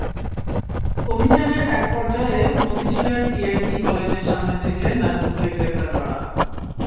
অভিযানের একপর্যায়ে মতিঝিলের টিঅ্যান্ডটি কলেজের সামনে থেকে নাজমুলকে গ্রেপ্তার করা হয়।